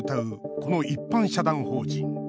この一般社団法人。